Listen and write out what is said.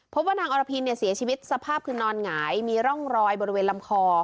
พบว่านางอรพินเสียชีวิตสภาพคือนอนหงายมีร่องรอยบริเวณลำคอ